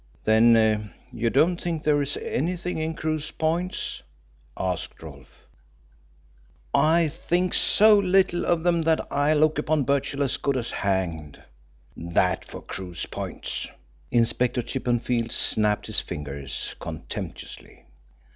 "Then you don't think there's anything in Crewe's points?" asked Rolfe. "I think so little of them that I look upon Birchill as good as hanged! That for Crewe's points!" Inspector Chippenfield snapped his fingers contemptuously.